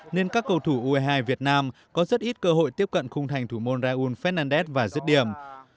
nên các cầu thủ ue hai việt nam có rất ít cơ hội tiếp cận khung thành thủ môn raul fernandez và giết điểm